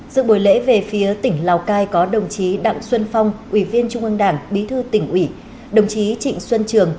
giữa buổi lễ về phía tỉnh lào cai có đồng chí đặng xuân phong ủy viên trung ương đảng bí thư tỉnh ủy đồng chí trịnh xuân trường